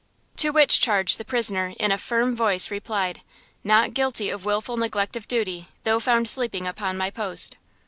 To which charge the prisoner, in a firm voice, replied; "Not guilty of wilful neglect of duty, though found sleeping upon my post."